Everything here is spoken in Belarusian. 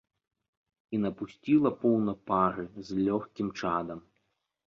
І напусціла поўна пары з лёгкім чадам.